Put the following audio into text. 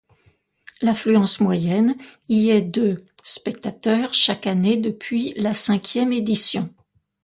L’affluence moyenne y est de spectateurs chaque année depuis la cinquième édition.